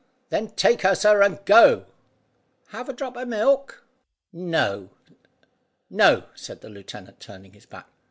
"Then take her, sir, and go!" "Have a drop of milk?" "No," said the lieutenant, turning his back.